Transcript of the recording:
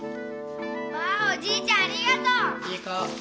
わあおじいちゃんありがとう。